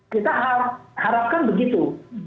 kita harapkan begitu